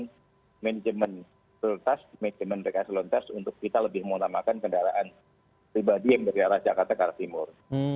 dengan manajemen perlontas manajemen rekaselontas untuk kita lebih mengutamakan kendaraan pribadi yang berkata kata karak timur